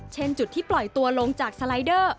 จุดที่ปล่อยตัวลงจากสไลเดอร์